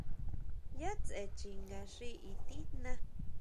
¿Yʼa tsʼe chinga xi i tijná?